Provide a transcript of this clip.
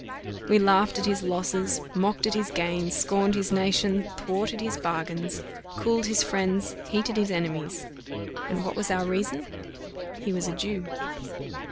"We laughed at his losses, mocked at his gains, scorned his nation, thwarted his bargains, cooled his friends, heated his enemies and what was our reason? he was a Jew."